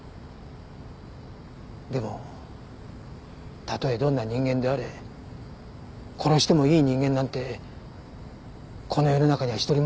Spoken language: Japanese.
でもたとえどんな人間であれ殺してもいい人間なんてこの世の中に一人もいません。